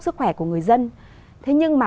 sức khỏe của người dân thế nhưng mà